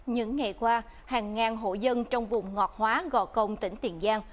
những ngày qua hàng ngàn hộ dân trong vùng ngọt hóa gò công tỉnh tiền giang